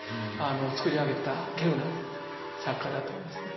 つくり上げた稀有な作家だと思いますね。